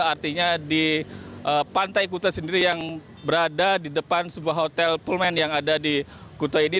artinya di pantai kuta sendiri yang berada di depan sebuah hotel pullman yang ada di kuta ini